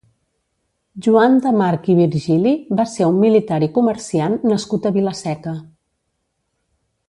Joan de March i Virgili va ser un militar i comerciant nascut a Vila-seca.